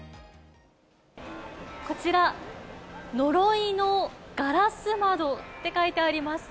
こちら、呪いの硝子窓って書いてあります。